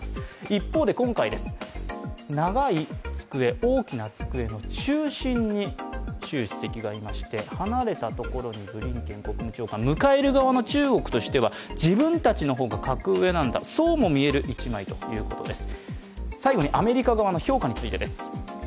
一方で今回です、長い机、大きな机の中心に習主席がいまして離れたところにブリンケン国務長官、迎える側の中国としては、自分たちの方が格上なんだ、そうも見える位置だということです。